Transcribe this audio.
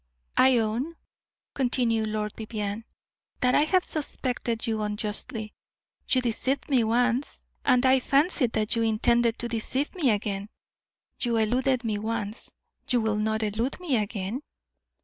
"I own," continued Lord Vivianne, "that I have suspected you unjustly. You deceived me once, and I fancied that you intended to deceive me again; you eluded me once, you will not elude me again?"